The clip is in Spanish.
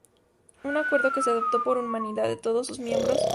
Un acuerdo que se adoptó por unanimidad de todos sus miembros.